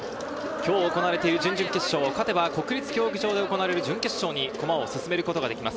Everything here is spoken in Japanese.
今日行われている準々決勝、勝てば国立競技場で行われる準決勝に駒を進めることができます。